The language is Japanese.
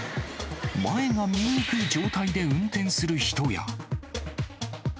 前が見えにくい状態で運転する人や。